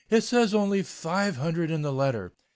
"It says only five hundred in the letter."